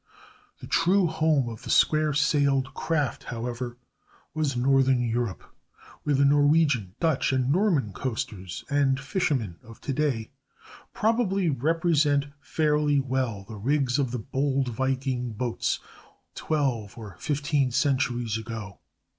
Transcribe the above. The true home of the square sailed craft, however, was northern Europe, where the Norwegian, Dutch, and Norman coasters and fishermen of to day probably represent fairly well the rigs of the bold viking boats of twelve or fifteen centuries ago.